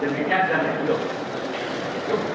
demikian saya berduduk